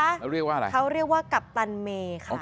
เขาเรียกว่าอะไรเขาเรียกว่ากัปตันเมค่ะ